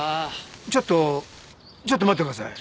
ちょっとちょっと待ってください。